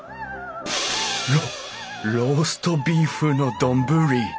ロローストビーフの丼！